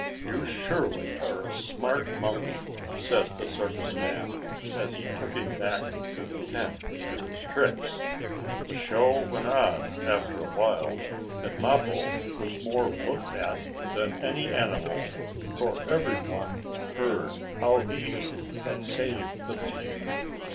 "You surely are a smart monkey!" said the circus man, as he took him back to the tent to do his tricks. The show went on after a while, and Mappo was more looked at than any animal, for every one heard how he had saved the baby.